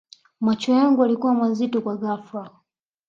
macho yangu yalikuwa mazito kwa ghafla